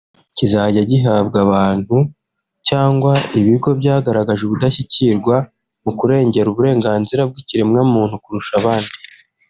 kikazajya gihabwa abantu cyangwa ibigo byagaragaje ubudashyikirwa mu kurengera uburenganzira bw’ikiremwamuntu kurusha abandi